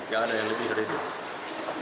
gak ada yang lebih dari itu